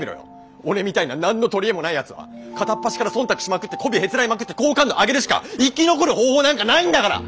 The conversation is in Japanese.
俺みたいな何の取り柄もないやつは片っ端から忖度しまくってこびへつらいまくって好感度上げるしか生き残る方法なんかないんだから！